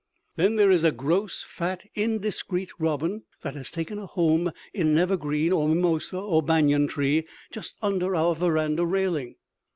Then there is a gross, fat, indiscreet robin that has taken a home in an evergreen or mimosa or banyan tree just under our veranda railing.